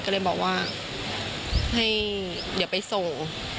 ก็เลยบอกว่าให้เดี๋ยวไปส่ง